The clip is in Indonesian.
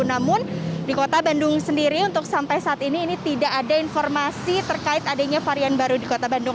namun di kota bandung sendiri untuk sampai saat ini ini tidak ada informasi terkait adanya varian baru di kota bandung